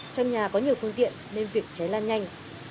trong nhà có nhiều phương tiện nên việc cháy lan nhanh